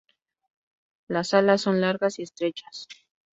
Las alas son largas y estrechas.